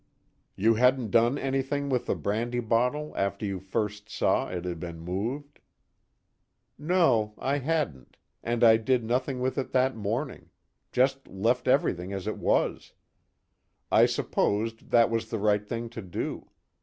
"You hadn't done anything with the brandy bottle after you first saw it had been moved?" "No, I hadn't, and I did nothing with it that morning just left everything as it was. I supposed that was the right thing to do.